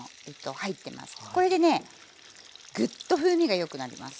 これでねグッと風味がよくなります。